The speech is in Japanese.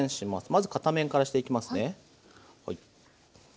まず片面からしていきますね。